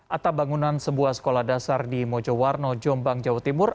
atap bangunan sebuah sekolah dasar di mojowarno jombang jawa timur